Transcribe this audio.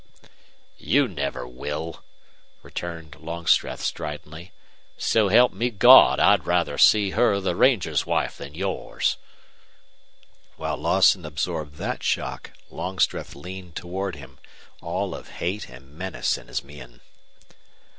"You never will," returned Longstreth, stridently. "So help me God I'd rather see her the ranger's wife than yours!" While Lawson absorbed that shock Longstreth leaned toward him, all of hate and menace in his mien.